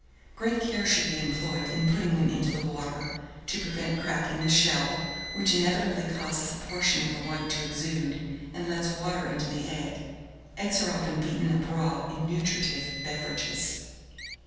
Great care should be employed in putting them into the water, to prevent cracking the shell, which inevitably causes a portion of the white to exude, and lets water into the egg. Eggs are often beaten up raw in nutritive beverages.